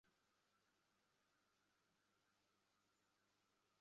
সে তার পথে যা পেয়েছে শেষ করে দিয়েছে।